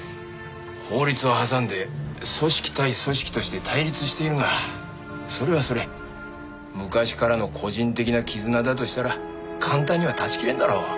法律を挟んで組織対組織として対立しているがそれはそれ昔からの個人的な絆だとしたら簡単には断ち切れんだろう？